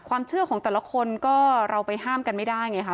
ความเชื่อของแต่ละคนก็เราไปห้ามกันไม่ได้ไงค่ะ